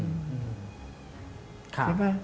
ใช่ปะ